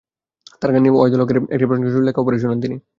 তাঁর গান নিয়ে ওয়াহিদুল হকের একটি প্রশংসাসূচক লেখাও পড়ে শোনান তিনি।